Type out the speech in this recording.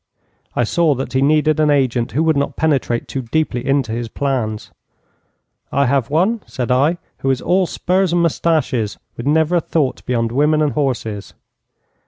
'I saw that he needed an agent who would not penetrate too deeply into his plans. '"I have one," said I, "who is all spurs and moustaches, with never a thought beyond women and horses."